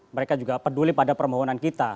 mereka juga peduli pada permohonan kita